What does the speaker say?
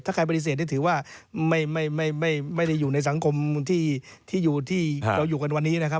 ถ้าใครปฏิเสธนี่ถือว่าไม่ได้อยู่ในสังคมที่เราอยู่กันวันนี้นะครับ